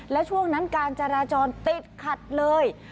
และช่วงนั้นการจราจรติดขัดเลย